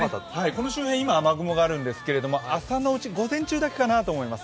この周辺、今、雨雲があるんですが朝のうち、午前中だけかなと思います。